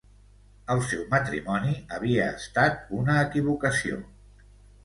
El seu matrimoni havia estat una equivocació.